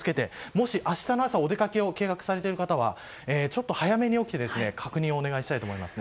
もし明日の朝お出かけを計画されている方はちょっと早めに起きて確認をお願いしたいと思います。